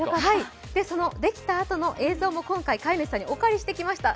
そのできたあとの映像も今回、飼い主さんにお借りしてきました。